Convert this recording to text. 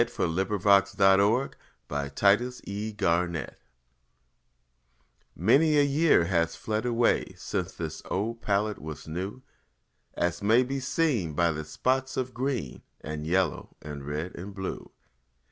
Christopher Pearse Cranch My Old Palette MANY a year has fled away Since this old palette was new, As may be seen by the spots of green And yellow and red and blue.